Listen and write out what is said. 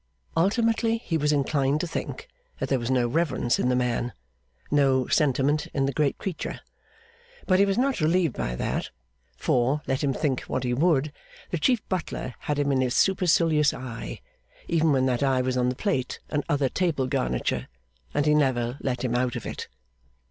Ultimately he was inclined to think that there was no reverence in the man, no sentiment in the great creature. But he was not relieved by that; for, let him think what he would, the Chief Butler had him in his supercilious eye, even when that eye was on the plate and other table garniture; and he never let him out of it.